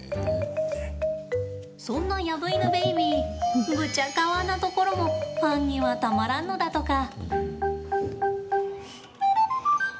そんなヤブイヌベイビーぶちゃかわなところもファンには、たまらんのだとか。